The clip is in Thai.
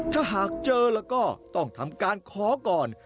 ถ้าหากเจอแล้วก็ต้องทำการขอก่อน